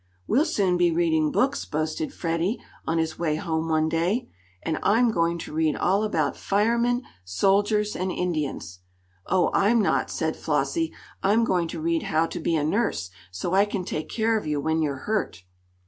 "We'll soon be reading books," boasted Freddie, on his way home one day. "And I'm going to read all about firemen, soldiers and Indians." "Oh, I'm not," said Flossie. "I'm going to read how to be a nurse, so I can take care of you when you're hurt."